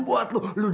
buat leluhur bukan